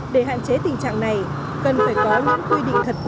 để hạn chế tình trạng này cần phải có những quy định thật cụ